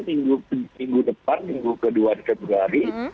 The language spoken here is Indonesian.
minggu depan minggu kedua februari